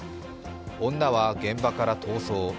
女は現場から逃走。